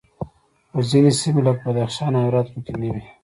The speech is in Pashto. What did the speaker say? خو ځینې سیمې لکه بدخشان او هرات پکې نه وې